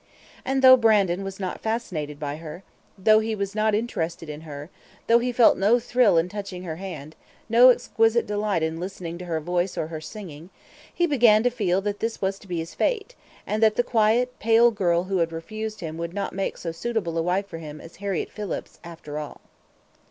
And though Brandon was not fascinated by her, though he was not interested in her, though he felt no thrill in touching her hand, no exquisite delight in listening to her voice or her singing, he began to feel that this was to be his fate, and that the quiet, pale girl who had refused him would not make so suitable a wife for him as Harriett Phillips, after all.